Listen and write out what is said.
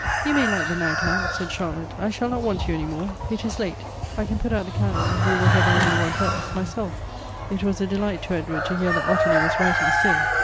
" You may light the night lamp," said Charlotte ;" I shall not want you any more. It is late. I can put out the candle, and do whatever I may want else myself" It was a delight to Edward to hear that Ottilie was writing still.